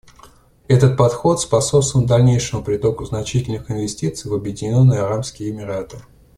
Этот подход способствовал дальнейшему притоку значительных инвестиций в Объединенные Арабские Эмираты.